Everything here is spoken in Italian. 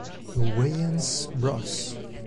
The Wayans Bros.